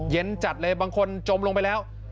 จัดเลยบางคนจมลงไปแล้ว